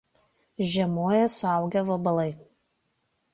Žiemoja suaugę vabalai.